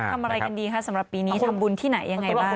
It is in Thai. ทำอะไรกันดีคะสำหรับปีนี้ทำบุญที่ไหนยังไงบ้าง